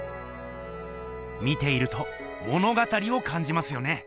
見ていると物語をかんじますよね。